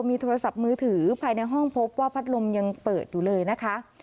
มีโทรศัพท์มือถือภายในห้องพบว่าพัดลมยังเปิดอยู่เลยนะคะ